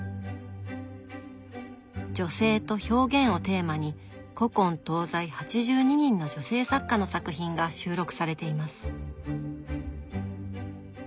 女性と表現をテーマに古今東西８２人の女性作家の作品が収録されています。